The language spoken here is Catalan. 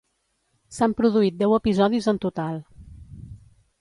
S'han produït deu episodis en total.